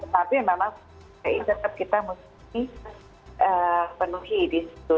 tapi memang tetap kita mesti penuhi di situ